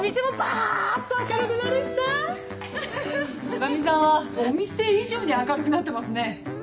女将さんはお店以上に明るくなってますね。